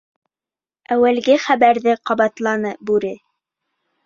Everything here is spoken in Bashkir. — Әүәлге хәбәрҙе ҡабатланы бүре.